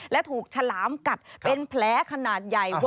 และถูกฉลามกัดเป็นแผลขนาดใหญ่